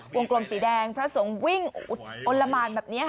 วงกลมสีแดงพระสงค์วิ่งรรมานแบบนี้